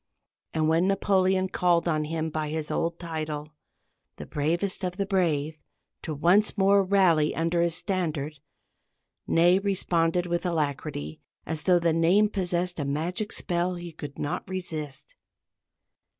And when Napoleon called on him by his old title, "the bravest of the brave," to once more rally under his standard, Ney responded with alacrity, as though the name possessed a magic spell he could not resist.